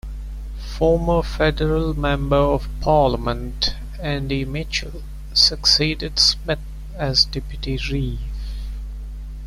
Former federal Member of Parliament Andy Mitchell succeeded Smith as deputy reeve.